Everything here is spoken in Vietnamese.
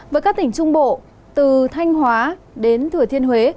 với các tỉnh trung bộ từ thanh hóa đến thừa thiên huế